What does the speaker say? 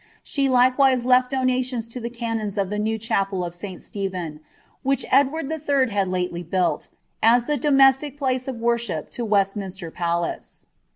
She likewise left donations to the canons of the new chapel of St. Stephen, which Edward III. had ktely built, as the domestic place of worship to Westminster Palace.